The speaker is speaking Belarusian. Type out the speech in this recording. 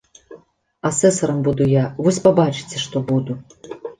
Асэсарам буду я, вось пабачыце, што буду!